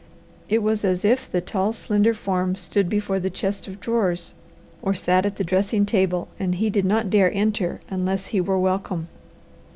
It was as if the tall, slender form stood before the chest of drawers or sat at the dressing table and he did not dare enter unless he were welcome.